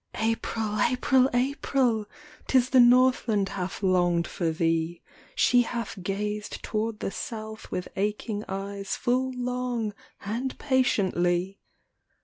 April! April! April! 'Tis the Northland hath longed for thee, She hath gazed toward the South with aching eyes Full long and patiently.